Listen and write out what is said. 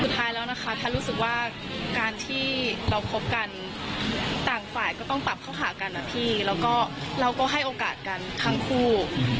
แล้วนะคะแพทย์รู้สึกว่าการที่เราคบกันต่างฝ่ายก็ต้องปรับเข้าหากันนะพี่แล้วก็เราก็ให้โอกาสกันทั้งคู่